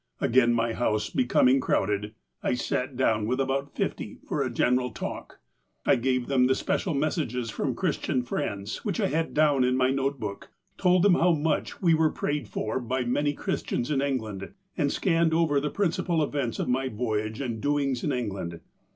"Again my house becoming crowded, I sat down with about fifty for a general talk. I gave them the special messages from Christian friends, which I had down in my note book, told them how much we were prayed for by many Christians in England, and scanned over the principal events of my voyage and doings in England.